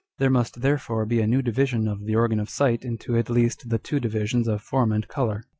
There must therefore be a new division of the Organ of Sight into (at least) the two divisions of Form and Colour.